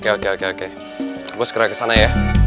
oke oke oke gue segera kesana ya